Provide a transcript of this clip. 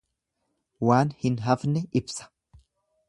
Waan hin hafne ibsa.